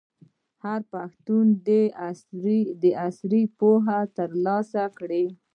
هر پښتون دي عصري پوهه ترلاسه کړي.